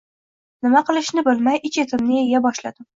Nima qilishni bilmay ich-etimni eya boshladim